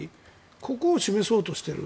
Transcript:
ここを示そうとしている。